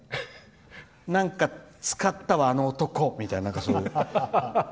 なんか、使ったわあの男みたいな。